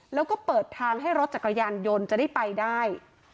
แล้วก็เปิดทางให้รถจักรยานยนต์จะได้ไปได้